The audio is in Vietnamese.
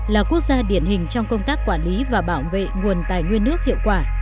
là quốc gia điển hình trong công tác quản lý và bảo vệ nguồn tài nguyên nước hiệu quả